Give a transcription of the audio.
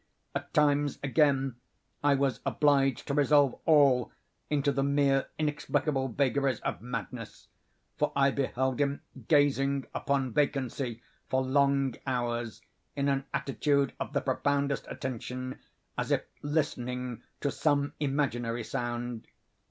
At times, again, I was obliged to resolve all into the mere inexplicable vagaries of madness, for I beheld him gazing upon vacancy for long hours, in an attitude of the profoundest attention, as if listening to some imaginary sound.